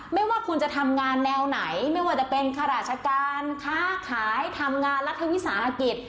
ไม่ว่าคุณจะทำงานแนวไหนไม่ว่าจะเป็นข้าราชการค้าขายทำงานรัฐวิสาหกิจ